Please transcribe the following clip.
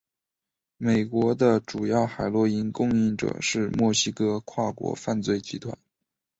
美国的主要海洛因供应者是墨西哥跨国犯罪集团。